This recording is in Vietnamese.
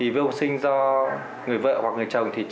vô sinh do người vợ hoặc người chồng